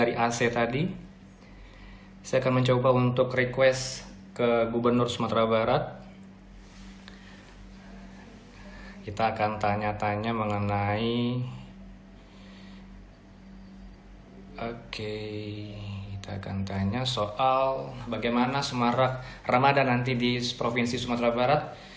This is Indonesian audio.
ramadhan nanti di provinsi sumatera barat